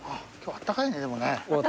あったかいですね。